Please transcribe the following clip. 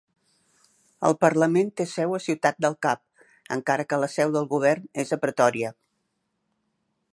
El parlament té seu a Ciutat del Cap, encara que la seu del govern és a Pretòria.